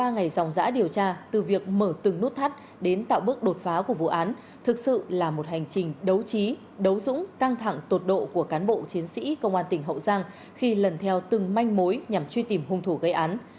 ba ngày dòng giã điều tra từ việc mở từng nút thắt đến tạo bước đột phá của vụ án thực sự là một hành trình đấu trí đấu dũng căng thẳng tột độ của cán bộ chiến sĩ công an tỉnh hậu giang khi lần theo từng manh mối nhằm truy tìm hung thủ gây án